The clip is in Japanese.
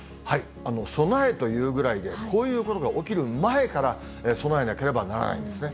備えというぐらいで、こういうことが起きる前から備えなければならないんですね。